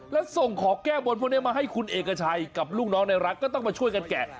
แล้วส่งของแก้บนพวกนี้มาให้คุณเอกชัยกับลูกน้องในรัฐก็ต้องมาช่วยกันแกะ